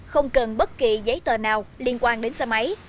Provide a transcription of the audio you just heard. không cần bất kỳ giấy tờ nào liên quan đến xe máy